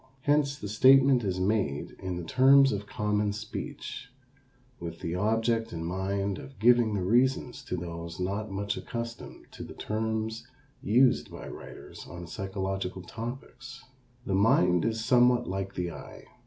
Hence the statement is made in the terms of common speech with the object in mind of giving the reasons to those not much accustomed to the terms used by writers on psychological topics. The mind is somewhat like the eye.